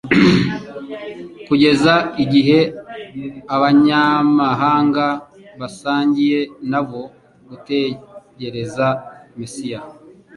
kugeza igihe abanyamahanga basangiye na bo gutegereza Mesiya.